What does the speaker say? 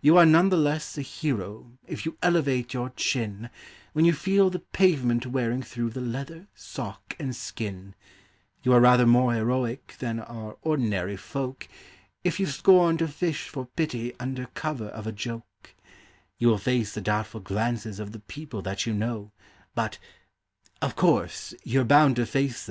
You are none the less a hero if you elevate your chin When you feel the pavement wearing through the leather, sock and skin; You are rather more heroic than are ordinary folk If you scorn to fish for pity under cover of a joke; You will face the doubtful glances of the people that you know ; But of course, you're bound to face them when your pants begin to go.